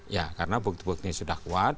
ya karena bukti buktinya sudah kuat